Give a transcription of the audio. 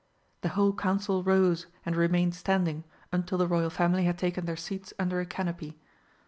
The whole Council rose and remained standing until the Royal Family had taken their seats under a canopy.